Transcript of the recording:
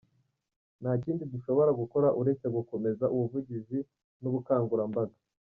Nta kindi dushobora gukora uretse gukomeza ubuvugizi n’ubukangurambaga.